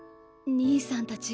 兄さんたち